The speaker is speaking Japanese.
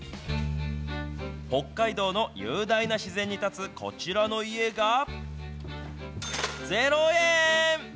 北海道の雄大な自然に建つこちらの家が、０円。